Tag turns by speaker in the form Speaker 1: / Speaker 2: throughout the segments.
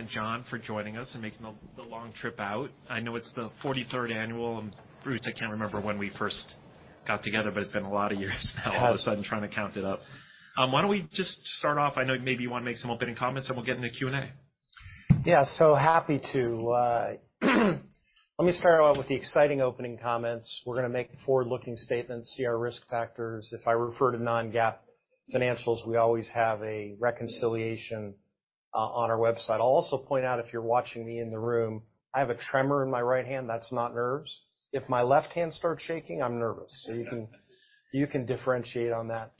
Speaker 1: And John, for joining us and making the long trip out. I know it's the 43rd annual. Bruce, I can't remember when we first got together, but it's been a lot of years now. Oh. All of a sudden, trying to count it up. Why don't we just start off? I know maybe you want to make some opening comments, and we'll get into Q&A.
Speaker 2: Yeah, so happy to. Let me start out with the exciting opening comments. We're going to make forward-looking statements. See our risk factors. If I refer to non-GAAP financials, we always have a reconciliation on our website. I'll also point out, if you're watching me in the room, I have a tremor in my right hand that's not nerves. If my left hand starts shaking, I'm nervous. So you can differentiate on that.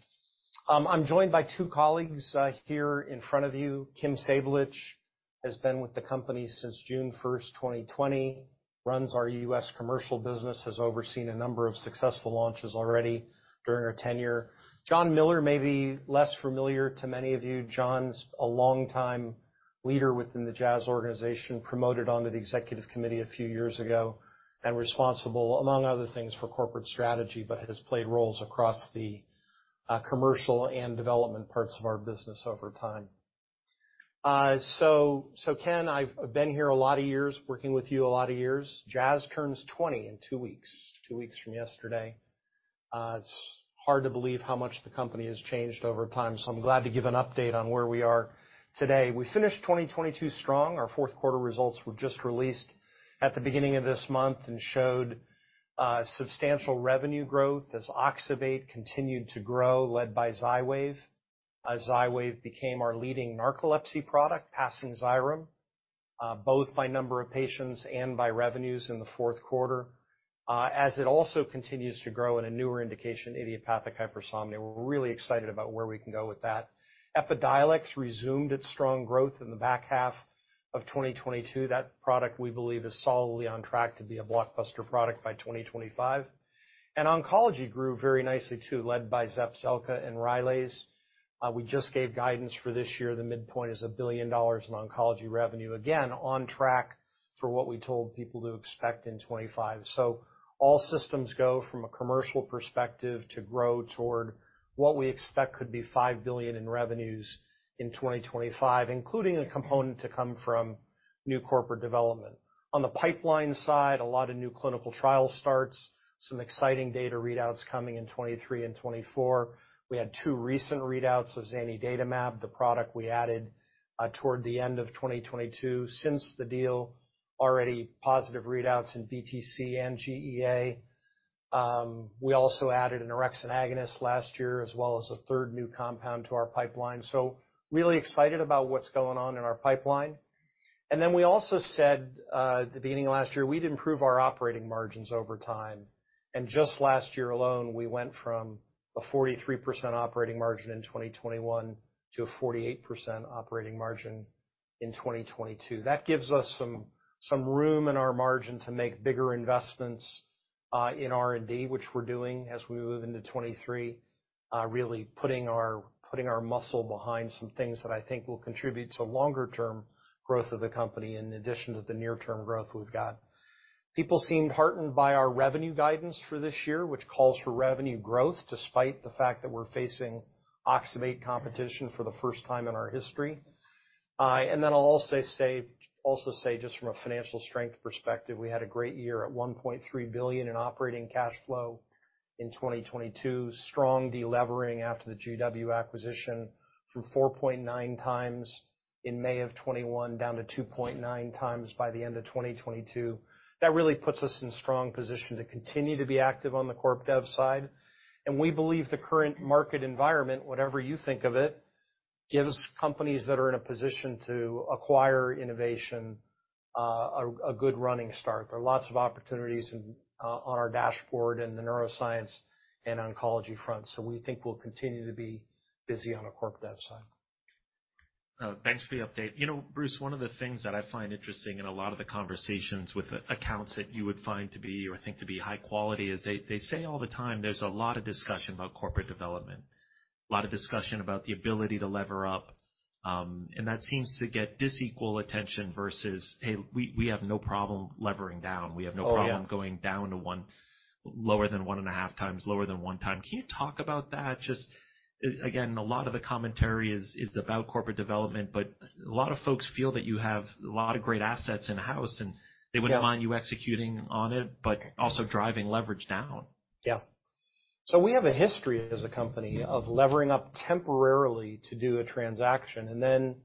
Speaker 2: I'm joined by two colleagues here in front of you. Kim Sablich has been with the company since June 1, 2020, runs our U.S. commercial business, has overseen a number of successful launches already during her tenure. John Miller may be less familiar to many of you. John's a longtime leader within the Jazz organization, promoted onto the executive committee a few years ago, and responsible, among other things, for corporate strategy, but has played roles across the commercial and development parts of our business over time. So, Ken, I've been here a lot of years, working with you a lot of years. Jazz turns 20 in two weeks, two weeks from yesterday. It's hard to believe how much the company has changed over time, so I'm glad to give an update on where we are today. We finished 2022 strong. Our fourth quarter results were just released at the beginning of this month and showed substantial revenue growth as oxybate continued to grow, led by Xywav. Xywav became our leading narcolepsy product, passing Xyrem, both by number of patients and by revenues in the fourth quarter, as it also continues to grow in a newer indication, idiopathic hypersomnia. We're really excited about where we can go with that. Epidiolex resumed its strong growth in the back half of 2022. That product, we believe, is solidly on track to be a blockbuster product by 2025. And oncology grew very nicely too, led by Zepzelca and Rylaze. We just gave guidance for this year. The midpoint is $1 billion in oncology revenue, again, on track for what we told people to expect in 2025. So all systems go from a commercial perspective to grow toward what we expect could be $5 billion in revenues in 2025, including a component to come from new corporate development. On the pipeline side, a lot of new clinical trial starts, some exciting data readouts coming in 2023 and 2024. We had two recent readouts of zanidatamab, the product we added toward the end of 2022. Since the deal, already positive readouts in BTC and GEA. We also added an orexin agonist last year, as well as a third new compound to our pipeline. So really excited about what's going on in our pipeline. And then we also said at the beginning of last year, we'd improve our operating margins over time. And just last year alone, we went from a 43% operating margin in 2021 to a 48% operating margin in 2022. That gives us some room in our margin to make bigger investments in R&D, which we're doing as we move into 2023, really putting our muscle behind some things that I think will contribute to longer-term growth of the company in addition to the near-term growth we've got. People seemed heartened by our revenue guidance for this year, which calls for revenue growth despite the fact that we're facing oxybate competition for the first time in our history. And then I'll also say, just from a financial strength perspective, we had a great year at $1.3 billion in operating cash flow in 2022, strong delevering after the GW acquisition from 4.9 times in May of 2021 down to 2.9 times by the end of 2022. That really puts us in a strong position to continue to be active on the corp dev side. And we believe the current market environment, whatever you think of it, gives companies that are in a position to acquire innovation a good running start. There are lots of opportunities on our dashboard in the neuroscience and oncology front. So we think we'll continue to be busy on the corp dev side.
Speaker 1: Thanks for the update. You know, Bruce, one of the things that I find interesting in a lot of the conversations with accounts that you would find to be or think to be high quality is they say all the time there's a lot of discussion about corporate development, a lot of discussion about the ability to lever up. And that seems to get disproportionate attention versus, "Hey, we have no problem levering down. We have no problem going down to lower than one and a half times, lower than one time." Can you talk about that? Just, again, a lot of the commentary is about corporate development, but a lot of folks feel that you have a lot of great assets in-house, and they wouldn't mind you executing on it, but also driving leverage down.
Speaker 2: Yeah. So we have a history as a company of levering up temporarily to do a transaction and then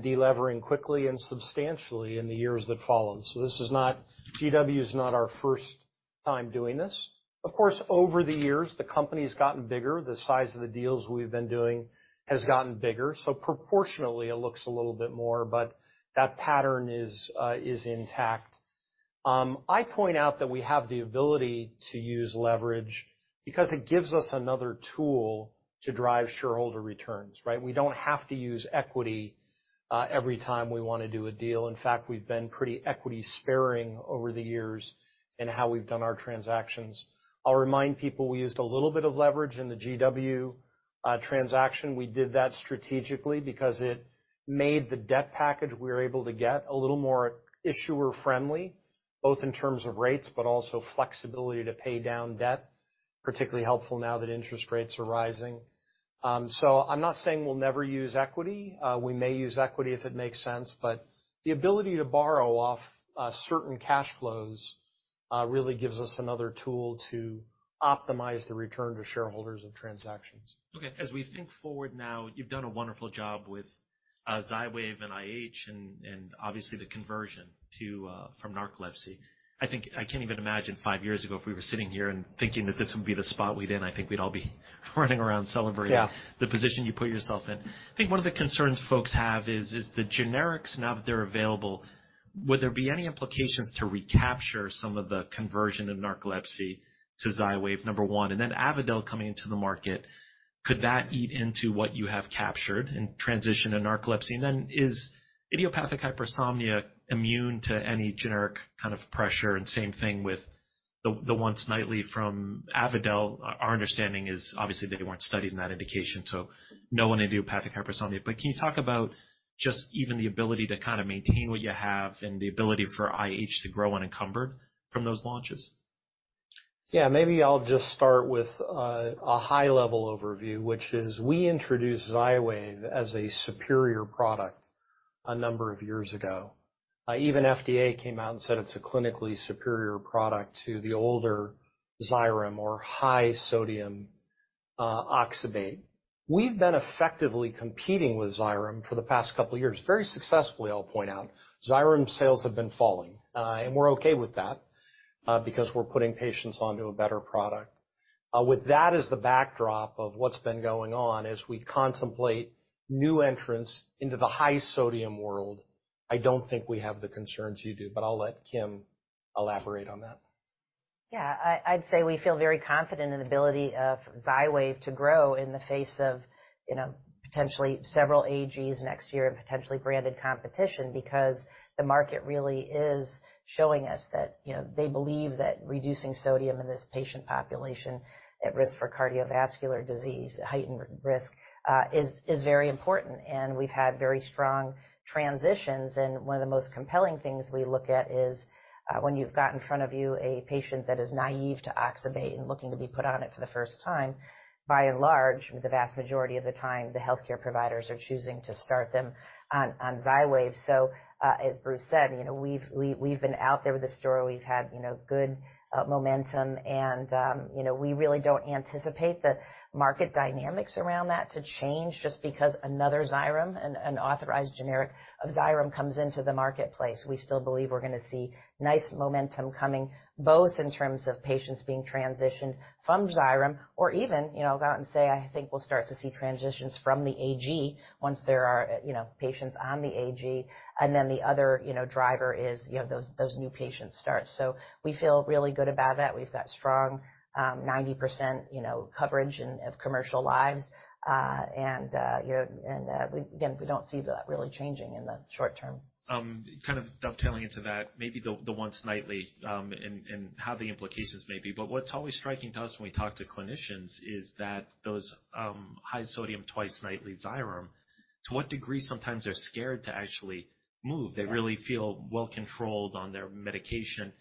Speaker 2: delevering quickly and substantially in the years that followed. So this is not. GW is not our first time doing this. Of course, over the years, the company's gotten bigger. The size of the deals we've been doing has gotten bigger. So proportionately, it looks a little bit more, but that pattern is intact. I point out that we have the ability to use leverage because it gives us another tool to drive shareholder returns, right? We don't have to use equity every time we want to do a deal. In fact, we've been pretty equity-sparing over the years in how we've done our transactions. I'll remind people we used a little bit of leverage in the GW transaction. We did that strategically because it made the debt package we were able to get a little more issuer-friendly, both in terms of rates, but also flexibility to pay down debt, particularly helpful now that interest rates are rising. So I'm not saying we'll never use equity. We may use equity if it makes sense, but the ability to borrow off certain cash flows really gives us another tool to optimize the return to shareholders of transactions.
Speaker 1: Okay. As we think forward now, you've done a wonderful job with Xywav and IH and obviously the conversion from narcolepsy. I think I can't even imagine five years ago if we were sitting here and thinking that this would be the spot we'd be in. I think we'd all be running around celebrating the position you put yourself in. I think one of the concerns folks have is the generics, now that they're available. Would there be any implications to recapture some of the conversion of narcolepsy to Xywav, number one? And then Avadel coming into the market, could that eat into what you have captured and transition to narcolepsy? And then is idiopathic hypersomnia immune to any generic kind of pressure? And same thing with the once nightly from Avadel. Our understanding is obviously they weren't studying that indication, so no one in idiopathic hypersomnia. But can you talk about just even the ability to kind of maintain what you have and the ability for IH to grow unencumbered from those launches?
Speaker 2: Yeah, maybe I'll just start with a high-level overview, which is we introduced Xywav as a superior product a number of years ago. Even FDA came out and said it's a clinically superior product to the older Xyrem or high-sodium Oxybate. We've been effectively competing with Xyrem for the past couple of years, very successfully, I'll point out. Xyrem sales have been falling, and we're okay with that because we're putting patients onto a better product. With that as the backdrop of what's been going on, as we contemplate new entrants into the high-sodium world, I don't think we have the concerns you do, but I'll let Kim elaborate on that.
Speaker 3: Yeah, I'd say we feel very confident in the ability of Xywav to grow in the face of potentially several AGs next year and potentially branded competition because the market really is showing us that they believe that reducing sodium in this patient population at risk for cardiovascular disease, heightened risk, is very important. And we've had very strong transitions. And one of the most compelling things we look at is when you've got in front of you a patient that is naive to Oxybate and looking to be put on it for the first time, by and large, the vast majority of the time, the healthcare providers are choosing to start them on Xywav. So, as Bruce said, we've been out there with the storm. We've had good momentum. And we really don't anticipate the market dynamics around that to change just because another Xyrem, an authorized generic of Xyrem, comes into the marketplace. We still believe we're going to see nice momentum coming, both in terms of patients being transitioned from Xyrem or even go out and say, "I think we'll start to see transitions from the AG once there are patients on the AG." And then the other driver is those new patient starts. So we feel really good about that. We've got strong 90% coverage of commercial lives. And again, we don't see that really changing in the short term.
Speaker 1: Kind of dovetailing into that, maybe the once nightly and how the implications may be, but what's always striking to us when we talk to clinicians is that those high-sodium twice nightly Xyrem, to what degree sometimes they're scared to actually move. They really feel well controlled on their medication.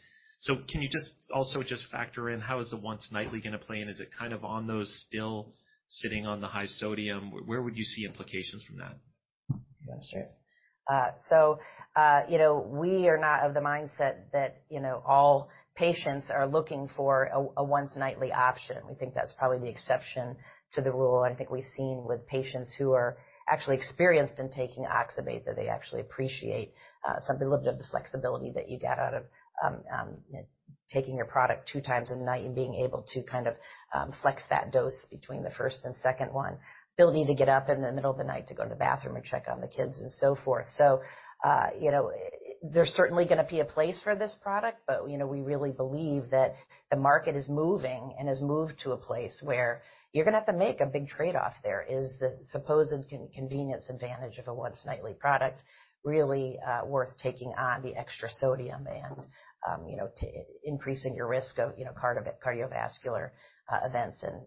Speaker 1: So can you just also just factor in how is the once nightly going to play in? Is it kind of on those still sitting on the high sodium? Where would you see implications from that?
Speaker 3: Yeah, sure. So we are not of the mindset that all patients are looking for a once nightly option. We think that's probably the exception to the rule. I think we've seen with patients who are actually experienced in taking oxybate that they actually appreciate a little bit of the flexibility that you get out of taking your product two times a night and being able to kind of flex that dose between the first and second one, ability to get up in the middle of the night to go to the bathroom and check on the kids and so forth. So there's certainly going to be a place for this product, but we really believe that the market is moving and has moved to a place where you're going to have to make a big trade-off there. Is the supposed convenience advantage of a once nightly product really worth taking on the extra sodium and increasing your risk of cardiovascular events? And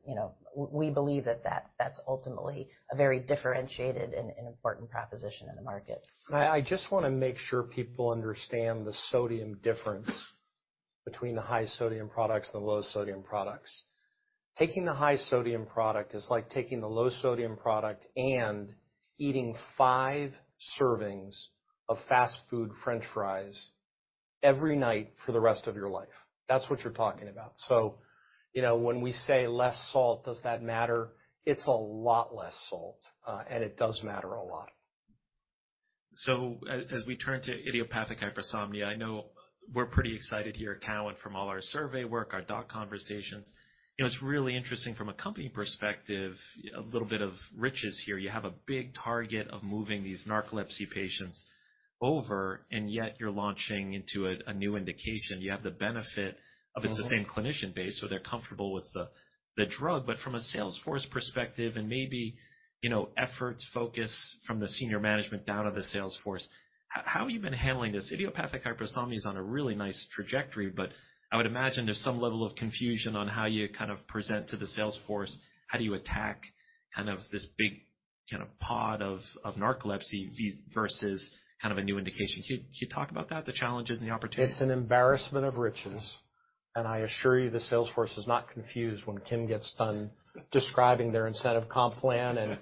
Speaker 3: we believe that that's ultimately a very differentiated and important proposition in the market.
Speaker 2: I just want to make sure people understand the sodium difference between the high-sodium products and the low-sodium products. Taking the high-sodium product is like taking the low-sodium product and eating five servings of fast food French fries every night for the rest of your life. That's what you're talking about. So when we say less salt, does that matter? It's a lot less salt, and it does matter a lot.
Speaker 1: So as we turn to idiopathic hypersomnia, I know we're pretty excited here at Cowen from all our survey work, our doc conversations. It's really interesting from a company perspective, a little bit of riches here. You have a big target of moving these narcolepsy patients over, and yet you're launching into a new indication. You have the benefit of it's the same clinician base, so they're comfortable with the drug. But from a sales force perspective and maybe efforts focus from the senior management down to the sales force, how have you been handling this? Idiopathic hypersomnia is on a really nice trajectory, but I would imagine there's some level of confusion on how you kind of present to the sales force. How do you attack kind of this big kind of pod of narcolepsy versus kind of a new indication? Can you talk about that, the challenges and the opportunities?
Speaker 2: It's an embarrassment of riches, and I assure you the sales force is not confused when Kim gets done describing their incentive comp plan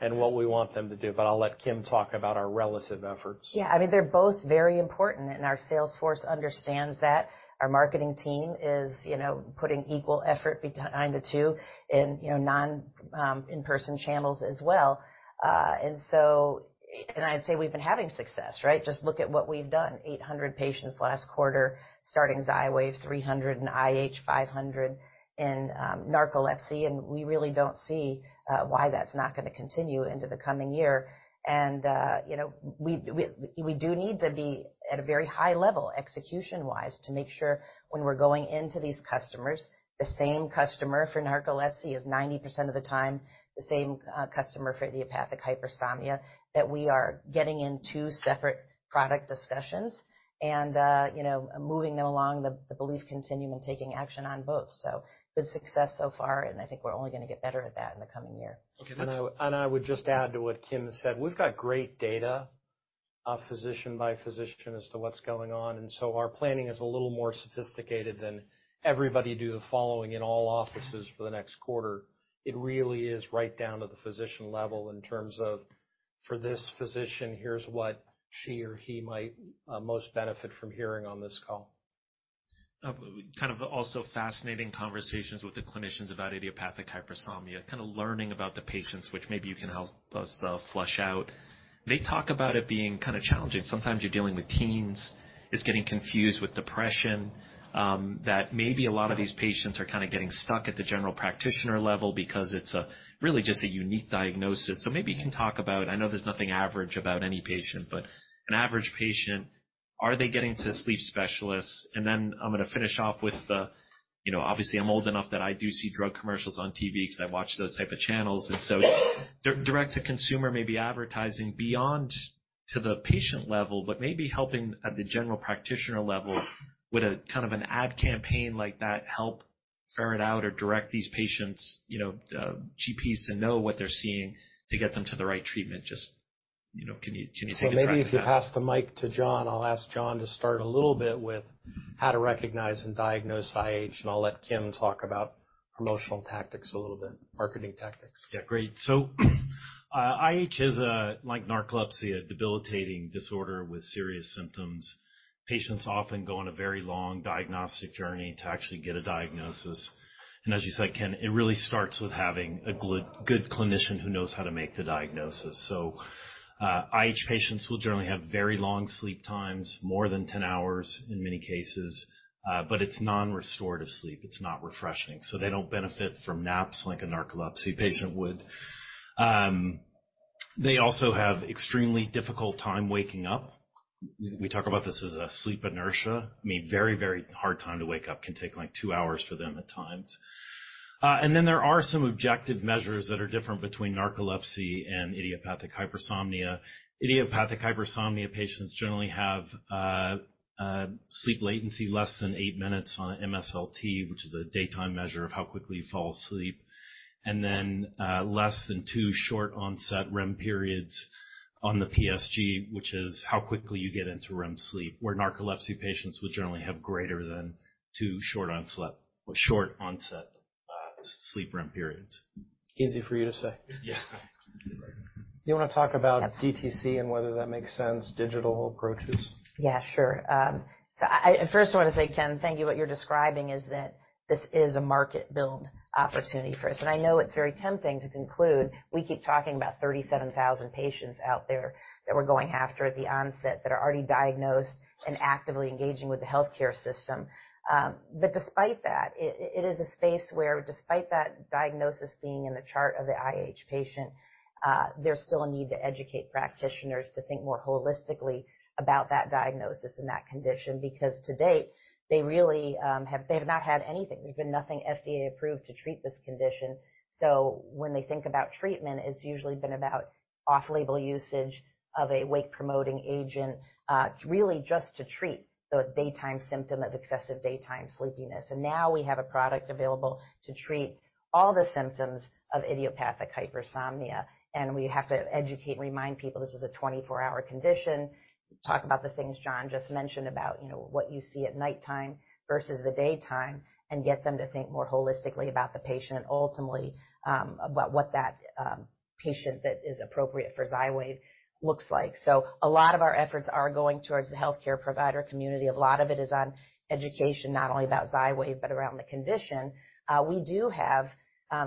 Speaker 2: and what we want them to do. I'll let Kim talk about our relative efforts.
Speaker 3: Yeah, I mean, they're both very important, and our sales force understands that. Our marketing team is putting equal effort behind the two in non-in-person channels as well. And I'd say we've been having success, right? Just look at what we've done. 800 patients last quarter starting Xywav, 300 in IH, 500 in narcolepsy. And we really don't see why that's not going to continue into the coming year. And we do need to be at a very high level execution-wise to make sure when we're going into these customers, the same customer for narcolepsy is 90% of the time, the same customer for idiopathic hypersomnia, that we are getting in two separate product discussions and moving them along the belief continuum and taking action on both. So good success so far, and I think we're only going to get better at that in the coming year.
Speaker 2: And I would just add to what Kim said. We've got great data physician by physician as to what's going on. And so our planning is a little more sophisticated than everybody do the following in all offices for the next quarter. It really is right down to the physician level in terms of, for this physician, here's what she or he might most benefit from hearing on this call.
Speaker 1: Kind of also fascinating conversations with the clinicians about idiopathic hypersomnia, kind of learning about the patients, which maybe you can help us flesh out. They talk about it being kind of challenging. Sometimes you're dealing with teens. It's getting confused with depression. That maybe a lot of these patients are kind of getting stuck at the general practitioner level because it's really just a unique diagnosis. So maybe you can talk about, I know there's nothing average about any patient, but an average patient, are they getting to a sleep specialist? And then I'm going to finish off with, obviously, I'm old enough that I do see drug commercials on TV because I watch those types of channels. Direct-to-consumer maybe advertising beyond to the patient level, but maybe helping at the general practitioner level with kind of an ad campaign like that help ferret out or direct these patients' GPs to know what they're seeing to get them to the right treatment. Just, can you talk about that?
Speaker 2: So, maybe if you pass the mic to John, I'll ask John to start a little bit with how to recognize and diagnose IH, and I'll let Kim talk about promotional tactics a little bit, marketing tactics.
Speaker 4: Yeah, great. So IH is like narcolepsy, a debilitating disorder with serious symptoms. Patients often go on a very long diagnostic journey to actually get a diagnosis. And as you said, Ken, it really starts with having a good clinician who knows how to make the diagnosis. So IH patients will generally have very long sleep times, more than 10 hours in many cases, but it's non-restorative sleep. It's not refreshing. So they don't benefit from naps like a narcolepsy patient would. They also have an extremely difficult time waking up. We talk about this as a sleep inertia. I mean, very, very hard time to wake up. It can take like two hours for them at times. And then there are some objective measures that are different between narcolepsy and idiopathic hypersomnia. Idiopathic hypersomnia patients generally have sleep latency less than eight minutes on MSLT, which is a daytime measure of how quickly you fall asleep, and then less than two short-onset REM periods on the PSG, which is how quickly you get into REM sleep, where narcolepsy patients would generally have greater than two short-onset sleep REM periods.
Speaker 1: Easy for you to say.
Speaker 4: Yeah.
Speaker 1: Do you want to talk about DTC and whether that makes sense, digital approaches?
Speaker 3: Yeah, sure. So first, I want to say, Ken, thank you. What you're describing is that this is a market-built opportunity for us. And I know it's very tempting to conclude. We keep talking about 37,000 patients out there that we're going after at the onset that are already diagnosed and actively engaging with the healthcare system. But despite that, it is a space where, despite that diagnosis being in the chart of the IH patient, there's still a need to educate practitioners to think more holistically about that diagnosis and that condition because to date, they have not had anything. There's been nothing FDA-approved to treat this condition. So when they think about treatment, it's usually been about off-label usage of a wake-promoting agent, really just to treat the daytime symptom of excessive daytime sleepiness. And now we have a product available to treat all the symptoms of idiopathic hypersomnia. And we have to educate and remind people this is a 24-hour condition. Talk about the things John just mentioned about what you see at nighttime versus the daytime and get them to think more holistically about the patient and ultimately about what that patient that is appropriate for Xywav looks like. So a lot of our efforts are going towards the healthcare provider community. A lot of it is on education, not only about Xywav, but around the condition. We do have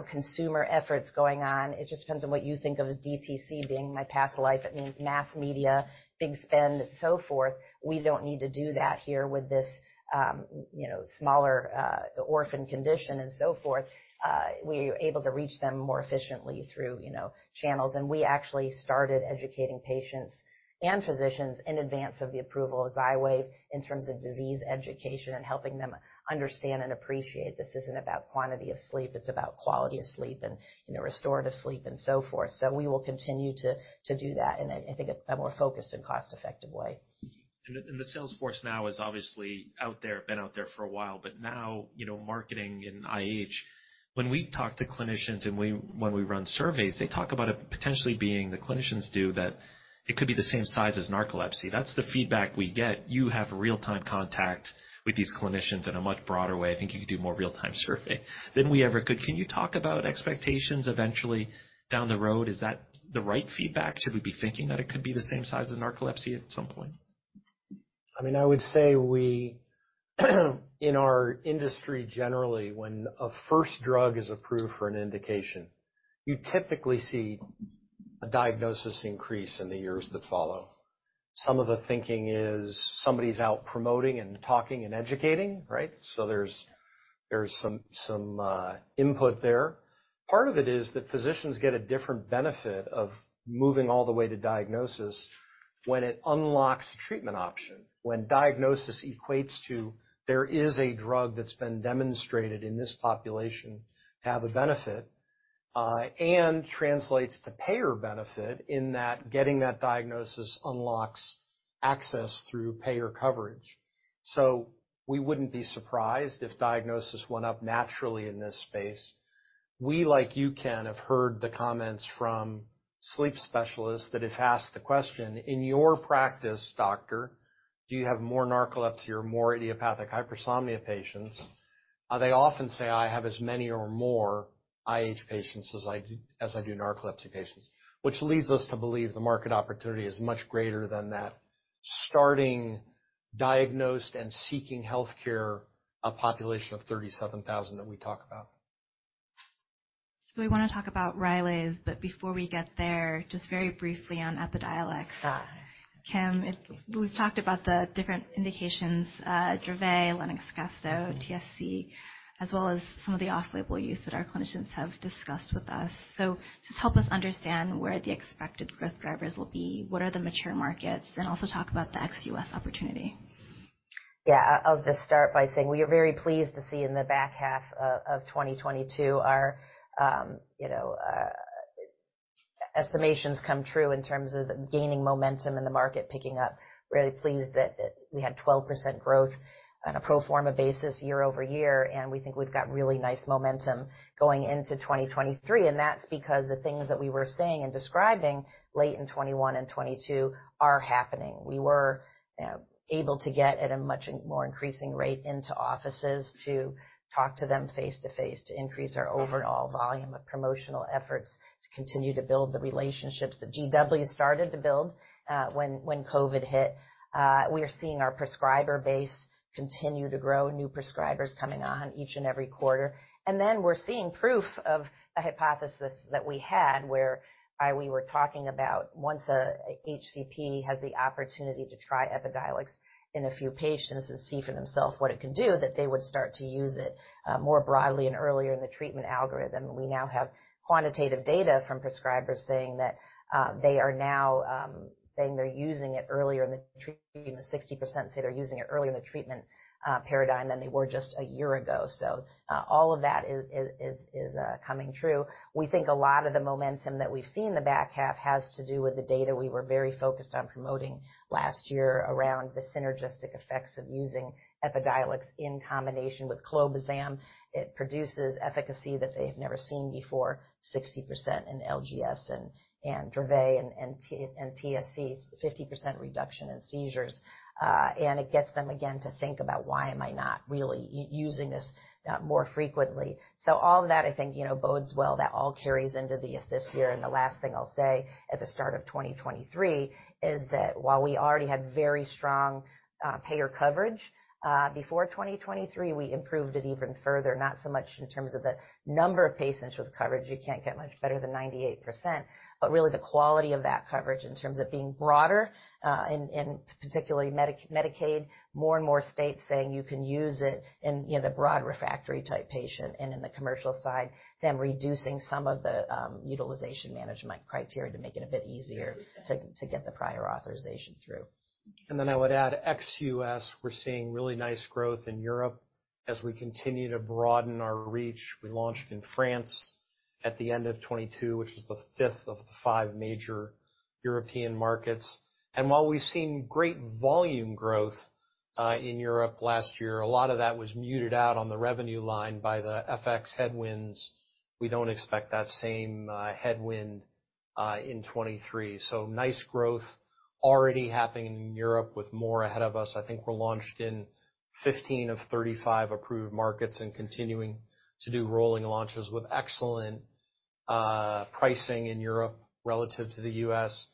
Speaker 3: consumer efforts going on. It just depends on what you think of as DTC being my past life. It means mass media, big spend, and so forth. We don't need to do that here with this smaller orphan condition and so forth. We are able to reach them more efficiently through channels. We actually started educating patients and physicians in advance of the approval of Xywav in terms of disease education and helping them understand and appreciate this isn't about quantity of sleep. It's about quality of sleep and restorative sleep and so forth. We will continue to do that in, I think, a more focused and cost-effective way.
Speaker 1: The sales force now has obviously been out there for a while, but now marketing and IH. When we talk to clinicians and when we run surveys, they talk about it potentially being the clinicians do that it could be the same size as narcolepsy. That's the feedback we get. You have real-time contact with these clinicians in a much broader way. I think you could do more real-time survey than we ever could. Can you talk about expectations eventually down the road? Is that the right feedback? Should we be thinking that it could be the same size as narcolepsy at some point?
Speaker 2: I mean, I would say in our industry generally, when a first drug is approved for an indication, you typically see a diagnosis increase in the years that follow. Some of the thinking is somebody's out promoting and talking and educating, right? So there's some input there. Part of it is that physicians get a different benefit of moving all the way to diagnosis when it unlocks a treatment option, when diagnosis equates to there is a drug that's been demonstrated in this population to have a benefit and translates to payer benefit in that getting that diagnosis unlocks access through payer coverage. So we wouldn't be surprised if diagnosis went up naturally in this space. We, like you, Ken, have heard the comments from sleep specialists that if asked the question, "In your practice, doctor, do you have more narcolepsy or more idiopathic hypersomnia patients?" They often say, "I have as many or more IH patients as I do narcolepsy patients," which leads us to believe the market opportunity is much greater than that starting diagnosed and seeking healthcare population of 37,000 that we talk about. We want to talk about Rylaze, but before we get there, just very briefly on Epidiolex. Ken, we've talked about the different indications, Dravet, Lennox-Gastaut, TSC, as well as some of the off-label use that our clinicians have discussed with us. Just help us understand where the expected growth drivers will be, what are the mature markets, and also talk about the ex-U.S. opportunity.
Speaker 3: Yeah, I'll just start by saying we are very pleased to see in the back half of 2022 our estimations come true in terms of gaining momentum in the market, picking up. Really pleased that we had 12% growth on a pro forma basis year over year, and we think we've got really nice momentum going into 2023. And that's because the things that we were saying and describing late in 2021 and 2022 are happening. We were able to get at a much more increasing rate into offices to talk to them face-to-face to increase our overall volume of promotional efforts to continue to build the relationships that GW started to build when COVID hit. We are seeing our prescriber base continue to grow, new prescribers coming on each and every quarter. Then we're seeing proof of a hypothesis that we had where we were talking about once HCP has the opportunity to try Epidiolex in a few patients and see for themselves what it can do, that they would start to use it more broadly and earlier in the treatment algorithm. We now have quantitative data from prescribers saying that they are now saying they're using it earlier in the treatment. 60% say they're using it earlier in the treatment paradigm than they were just a year ago. All of that is coming true. We think a lot of the momentum that we've seen in the back half has to do with the data we were very focused on promoting last year around the synergistic effects of using Epidiolex in combination with clobazam. It produces efficacy that they have never seen before, 60% in LGS and Dravet and TSC, 50% reduction in seizures. And it gets them again to think about, "Why am I not really using this more frequently?" So all of that, I think, bodes well. That all carries into this year. And the last thing I'll say at the start of 2023 is that while we already had very strong payer coverage before 2023, we improved it even further, not so much in terms of the number of patients with coverage. You can't get much better than 98%, but really the quality of that coverage in terms of being broader, and particularly Medicaid, more and more states saying you can use it in the broad refractory type patient and in the commercial side, them reducing some of the utilization management criteria to make it a bit easier to get the prior authorization through.
Speaker 2: And then I would add ex-U.S.. We're seeing really nice growth in Europe as we continue to broaden our reach. We launched in France at the end of 2022, which was the fifth of the five major European markets. And while we've seen great volume growth in Europe last year, a lot of that was muted out on the revenue line by the FX headwinds. We don't expect that same headwind in 2023. So nice growth already happening in Europe with more ahead of us. I think we're launched in 15 of 35 approved markets and continuing to do rolling launches with excellent pricing in Europe relative to the U.S.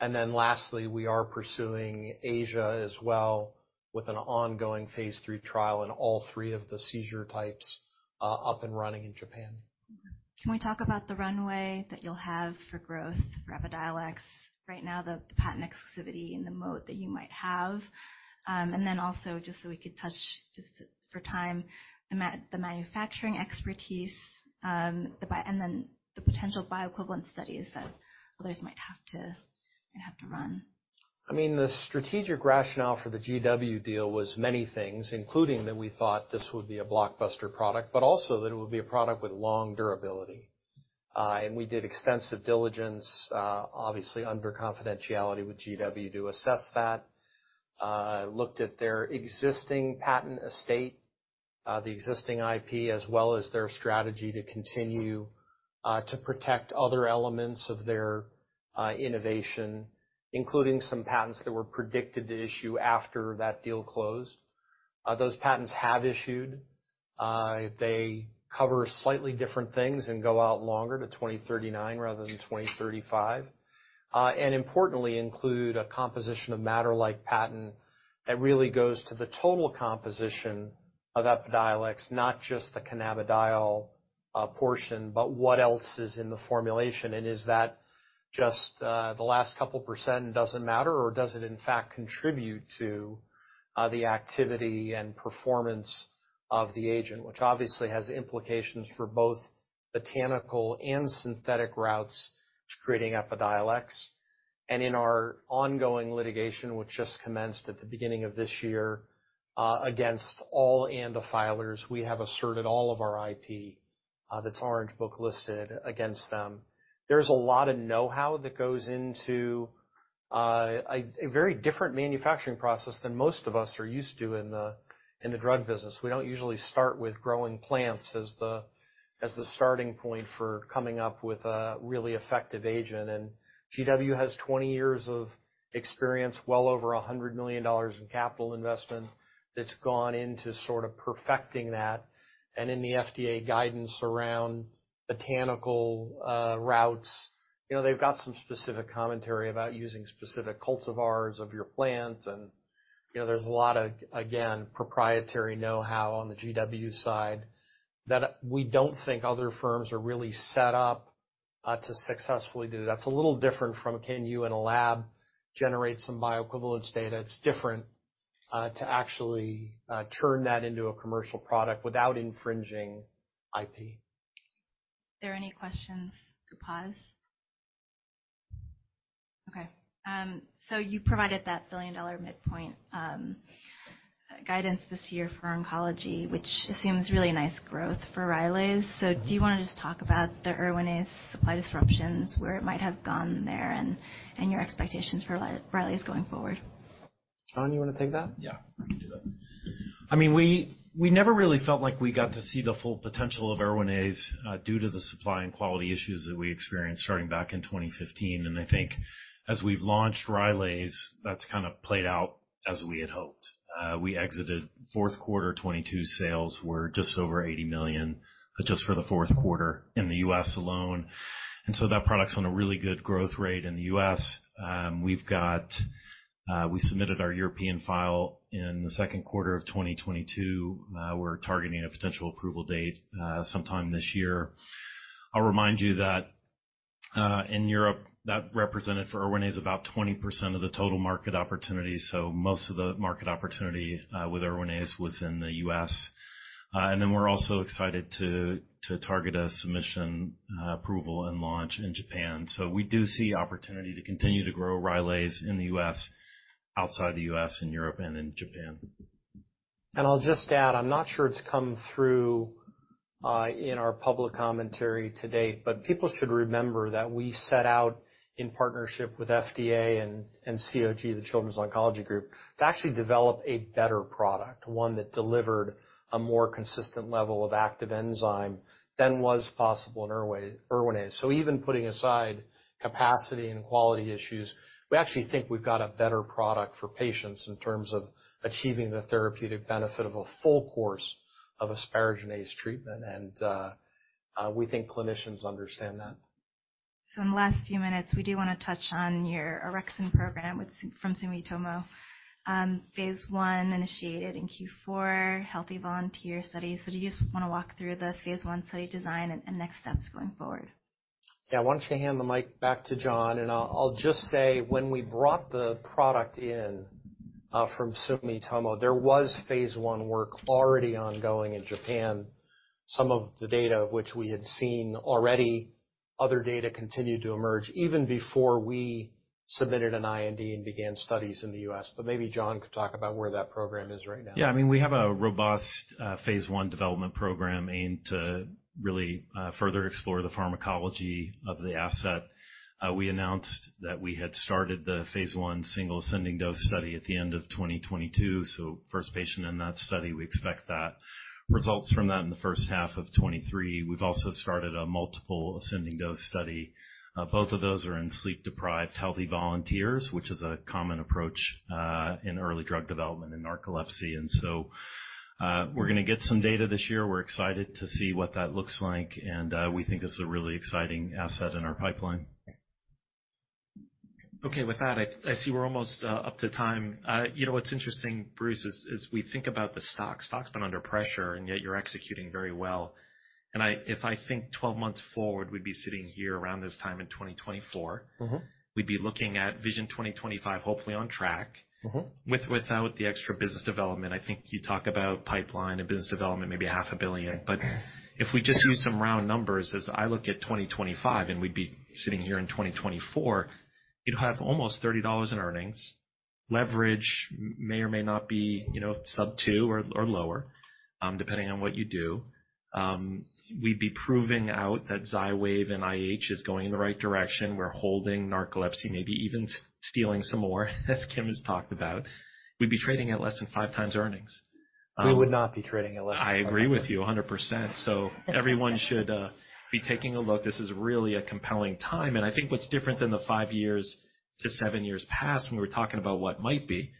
Speaker 2: And then lastly, we are pursuing Asia as well with an ongoing phase III trial in all three of the seizure types up and running in Japan. Can we talk about the runway that you'll have for growth for Epidiolex right now, the patent exclusivity and the moat that you might have? And then also just so we could touch just for time, the manufacturing expertise and then the potential bioequivalent studies that others might have to run. I mean, the strategic rationale for the GW deal was many things, including that we thought this would be a blockbuster product, but also that it would be a product with long durability. And we did extensive diligence, obviously under confidentiality with GW to assess that, looked at their existing patent estate, the existing IP, as well as their strategy to continue to protect other elements of their innovation, including some patents that were predicted to issue after that deal closed. Those patents have issued. They cover slightly different things and go out longer to 2039 rather than 2035. And importantly, include a composition of matter-like patent that really goes to the total composition of Epidiolex, not just the cannabidiol portion, but what else is in the formulation. Is that just the last couple of percent and doesn't matter, or does it in fact contribute to the activity and performance of the agent, which obviously has implications for both botanical and synthetic routes to creating Epidiolex? In our ongoing litigation, which just commenced at the beginning of this year against all ANDA filers, we have asserted all of our IP that's Orange Book listed against them. There's a lot of know-how that goes into a very different manufacturing process than most of us are used to in the drug business. We don't usually start with growing plants as the starting point for coming up with a really effective agent. GW has 20 years of experience, well over $100 million in capital investment that's gone into sort of perfecting that. In the FDA guidance around botanical routes, they've got some specific commentary about using specific cultivars of your plants. There's a lot of, again, proprietary know-how on the GW side that we don't think other firms are really set up to successfully do. That's a little different from, can you in a lab generate some bioequivalence data? It's different to actually turn that into a commercial product without infringing IP. Are there any questions? Okay. So you provided that billion-dollar midpoint guidance this year for oncology, which assumes really nice growth for Rylaze. So do you want to just talk about the Erwinaze supply disruptions, where it might have gone there, and your expectations for Rylaze going forward? John, you want to take that?
Speaker 4: Yeah, I can do that. I mean, we never really felt like we got to see the full potential of Erwinaze due to the supply and quality issues that we experienced starting back in 2015. And I think as we've launched Rylaze, that's kind of played out as we had hoped. We exited fourth quarter 2022 sales were just over $80 million just for the fourth quarter in the U.S. alone. And so that product's on a really good growth rate in the U.S. We submitted our European file in the second quarter of 2022. We're targeting a potential approval date sometime this year. I'll remind you that in Europe, that represented for Erwinaze about 20% of the total market opportunity. So most of the market opportunity with Erwinaze was in the U.S. And then we're also excited to target a submission approval and launch in Japan. We do see opportunity to continue to grow Rylaze in the U.S., outside the U.S., in Europe, and in Japan.
Speaker 2: And I'll just add, I'm not sure it's come through in our public commentary to date, but people should remember that we set out in partnership with FDA and COG, the Children's Oncology Group, to actually develop a better product, one that delivered a more consistent level of active enzyme than was possible in Erwinaze. So even putting aside capacity and quality issues, we actually think we've got a better product for patients in terms of achieving the therapeutic benefit of a full course of asparaginase treatment. And we think clinicians understand that. So in the last few minutes, we do want to touch on your orexin program from Sumitomo. Phase I initiated in Q4, healthy volunteer studies. So do you just want to walk through the phase I study design and next steps going forward? Yeah, I want to hand the mic back to John, and I'll just say when we brought the product in from Sumitomo, there was phase I work already ongoing in Japan, some of the data of which we had seen already. Other data continued to emerge even before we submitted an IND and began studies in the U.S., but maybe John could talk about where that program is right now.
Speaker 4: Yeah, I mean, we have a robust phase I development program aimed to really further explore the pharmacology of the asset. We announced that we had started the phase I single ascending dose study at the end of 2022. So first patient in that study, we expect that. Results from that in the first half of 2023. We've also started a multiple ascending dose study. Both of those are in sleep-deprived healthy volunteers, which is a common approach in early drug development in narcolepsy. And so we're going to get some data this year. We're excited to see what that looks like. And we think it's a really exciting asset in our pipeline.
Speaker 1: Okay, with that, I see we're almost up to time. You know what's interesting, Bruce, is we think about the stock. Stock's been under pressure, and yet you're executing very well. And if I think 12 months forward, we'd be sitting here around this time in 2024, we'd be looking at Vision 2025, hopefully on track without the extra business development. I think you talk about pipeline and business development, maybe $500 million. But if we just use some round numbers, as I look at 2025, and we'd be sitting here in 2024, you'd have almost $30 in earnings. Leverage may or may not be sub two or lower, depending on what you do. We'd be proving out that Xywav and IH is going in the right direction. We're holding narcolepsy, maybe even stealing some more, as Kim has talked about. We'd be trading at less than five times earnings.
Speaker 2: We would not be trading at less than five times.
Speaker 1: I agree with you 100%. So everyone should be taking a look. This is really a compelling time. And I think what's different than the five years to seven years past when we were talking about what might be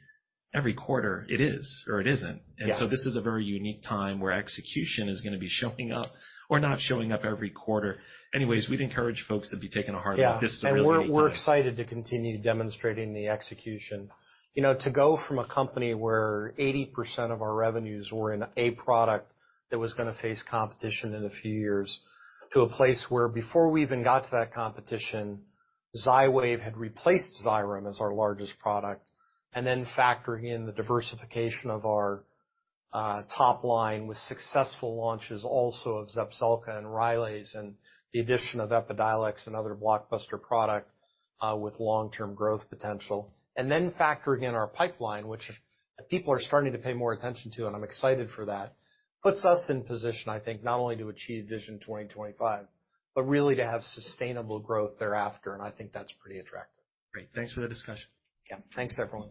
Speaker 1: every quarter, it is or it isn't. And so this is a very unique time where execution is going to be showing up or not showing up every quarter. Anyways, we'd encourage folks to be taking a hard look. This is a really good time.
Speaker 2: Yeah, and we're excited to continue demonstrating the execution. To go from a company where 80% of our revenues were in a product that was going to face competition in a few years to a place where before we even got to that competition, Xywav had replaced Xyrem as our largest product, and then factoring in the diversification of our top line with successful launches also of Zepzelca and Rylaze and the addition of Epidiolex and other blockbuster product with long-term growth potential. And then factoring in our pipeline, which people are starting to pay more attention to, and I'm excited for that, puts us in position, I think, not only to achieve Vision 2025, but really to have sustainable growth thereafter. And I think that's pretty attractive.
Speaker 1: Great. Thanks for the discussion.
Speaker 2: Yeah, thanks everyone.